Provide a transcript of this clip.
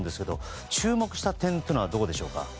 注目した点というのはどこでしょうか？